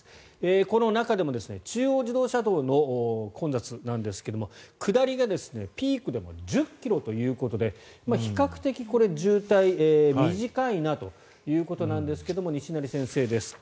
この中でも中央自動車道の混雑なんですが下りがピークでも１０ｋｍということで比較的、渋滞短いなということなんですが西成先生です。